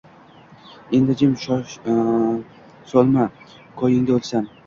endi jim, dod solma, ko’yingda o’lsam.